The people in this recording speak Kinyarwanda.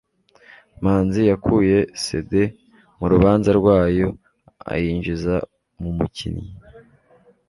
manzi yakuye cd mu rubanza rwayo ayinjiza mu mukinnyi